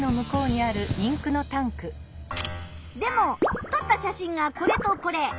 でも撮った写真がこれとこれ。